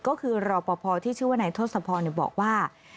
ก็คือรอปภที่ชื่อว่านายทศพรบอกว่า